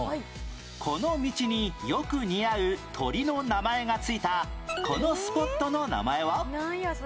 この道によく似合う鳥の名前が付いたこのスポットの名前は？